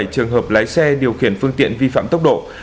bảy trăm bảy mươi bảy trường hợp lái xe điều khiển phương tiện vi phạm tốc độ